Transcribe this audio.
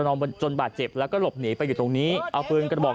จนบาดเจ็บแล้วก็หลบหนีไปอยู่ตรงนี้เอาปืนกระบอก